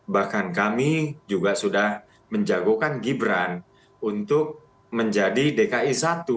bahkan kami juga sudah menjagokan gibran untuk menjadi dki satu